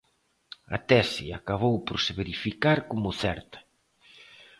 A tese acabou por se verificar como certa.